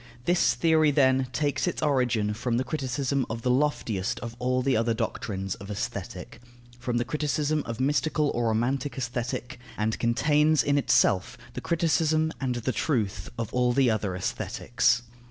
This theory, then, takes its origin from the criticism of the loftiest of all the other doctrines of Aesthetic, from the criticism of mystical or romantic Aesthetic, and contains in itself the criticism and the truth of all the other Aesthetics.